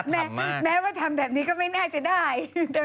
น่าสามารถกงนะแม้ว่าทำแบบนี้ก็แค่นี้ก็ไม่น่าได้